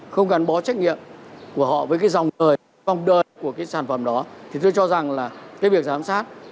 không cần bỏ trách nhiệm của họ với cái dòng đời dòng đời của cái sản phẩm đó thì tôi cho rằng là cái việc giám sát